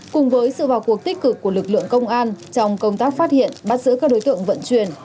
cùng với sự vào cuộc tích cực của lực lượng công an trong công tác phát hiện bắt giữ các đối tượng vận chuyển